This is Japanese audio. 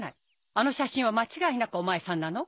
あの写真は間違いなくお前さんなの？